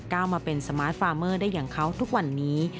มาเป็นสมาร์ทฟาร์เมอร์ได้อย่างเขาทุกวันนี้